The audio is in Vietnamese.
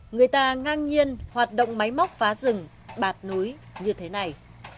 người ta ngang nhiên hoạt động máy móc phá rừng bạt núi như thế này